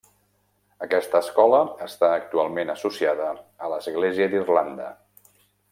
Aquesta escola està actualment associada a l'Església d'Irlanda.